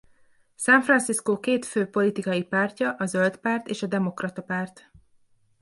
San Francisco két fő politikai pártja a Zöld Párt és a Demokrata Párt.